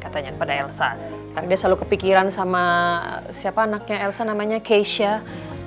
katanya kepada elsa karena dia selalu kepikiran sama siapa anaknya elsa namanya keisha dan